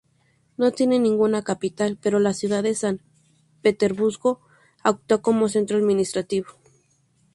No tiene ninguna capital, pero la ciudad de San Petersburgo actúa como centro administrativo.